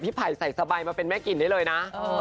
ไผ่ใส่สบายมาเป็นแม่กลิ่นได้เลยนะ